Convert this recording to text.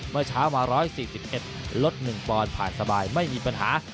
เมื่อเช้ามา๑๔๑ลด๑ปอนด์ผ่านสบายไม่มีปัญหา